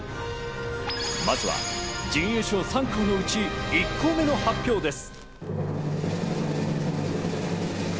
まずは準優勝３校のうち、１校目の発表です。